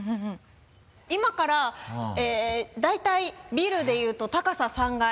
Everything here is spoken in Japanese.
今から大体ビルで言うと高さ３階。